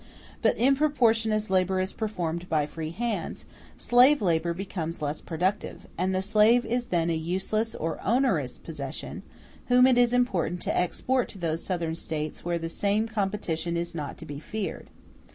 But in proportion as labor is performed by free hands, slave labor becomes less productive; and the slave is then a useless or onerous possession, whom it is important to export to those Southern States where the same competition is not to be feared.